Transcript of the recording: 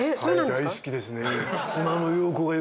大好きですね。